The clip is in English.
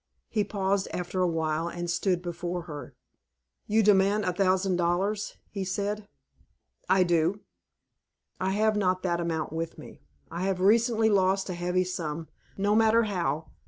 He paused after awhile, and stood before her. "You demand a thousand dollars," he said. "I do." "I have not that amount with me. I have recently lost a heavy sum, no matter how.